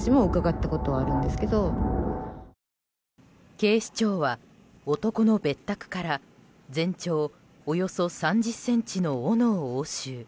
警視庁は男の別宅から全長およそ３０ｃｍのおのを押収。